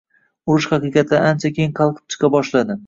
Urush haqiqatlari ancha keyin qalqib chiqa boshladi